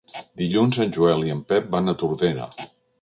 Dilluns en Joel i en Pep van a Tordera.